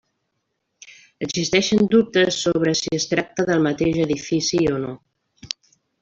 Existeixen dubtes sobre si es tracta del mateix edifici o no.